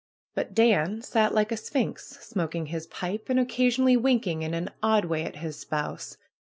But Dan sat like a sphinx smo king his pipe, and occasionally winking in an odd way at his spouse.